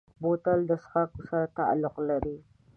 بوتل د څښاکو سره تعلق لري.